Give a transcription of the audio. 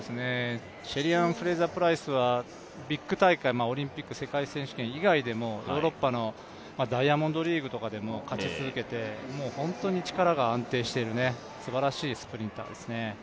シェリーアン・フレイザー・プライスはビッグ大会、オリンピック、世界選手権以外でもヨーロッパのダイヤモンドリーグなどでも勝ち続けてもう本当に力が安定している、すばらしいスプリンターですね。